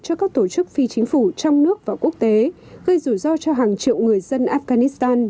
cho các tổ chức phi chính phủ trong nước và quốc tế gây rủi ro cho hàng triệu người dân afghanistan